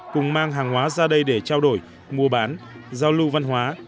cùng mang hàng hóa ra đây để trao đổi mua bán giao lưu văn hóa